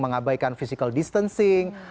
mengabaikan physical distancing